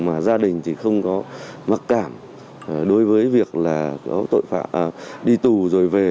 mà gia đình thì không có mặc cảm đối với việc là có tội phạm đi tù rồi về